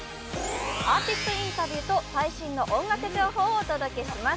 アーティストインタビューと最新の音楽情報をお届けします。